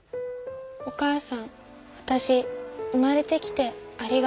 お母さんわたし生まれてきてありがとうって。